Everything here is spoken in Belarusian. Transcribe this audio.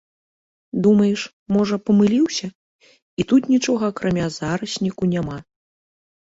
Думаеш, можа, памыліўся, і тут нічога акрамя зарасніку няма.